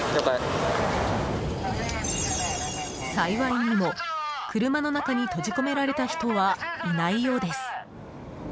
幸いにも、車の中に閉じ込められた人はいないようです。